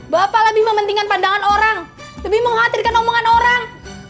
bapak lebih mementingkan pandangan orang lebih mengkhawatirkan omongan orang